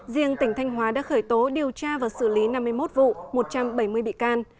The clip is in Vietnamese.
riêng tỉnh thanh hóa đã khởi tố điều tra và xử lý năm mươi một vụ một trăm bảy mươi bị can